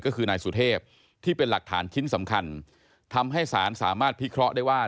ก็คือนายสุเทพที่เป็นหลักฐานชิ้นสำคัญทำให้สารสามารถพิเคราะห์ได้ว่า